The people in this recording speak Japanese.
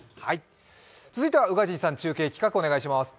続いては宇賀神さん、中継企画をお願いします。